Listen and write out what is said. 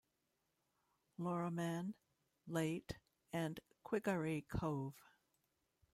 Loroman, Late and Quigaray Cove.